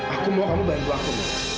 aku mau kamu bantu aku